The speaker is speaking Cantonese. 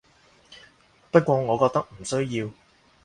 不過我覺得唔需要